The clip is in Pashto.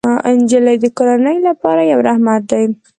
نجلۍ د کورنۍ لپاره یو رحمت دی.